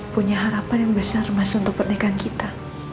punya harapan yang besar mas untuk pernikahan kita